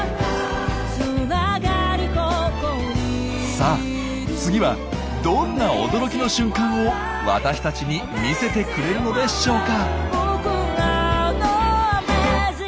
さあ次はどんな驚きの瞬間を私たちに見せてくれるのでしょうか？